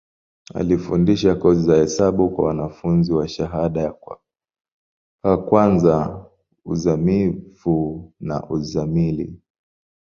Alifundisha kozi za hesabu kwa wanafunzi wa shahada ka kwanza, uzamivu na uzamili.